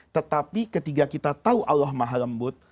tetapi ketika kita tahu allah maha lembut